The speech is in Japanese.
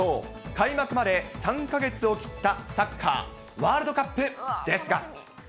開幕まで３か月を切ったサッカーワールドカップですが。